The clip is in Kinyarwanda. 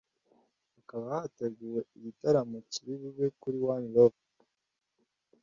hakaba hateguwe igitaramo kiri bubere kuri One Love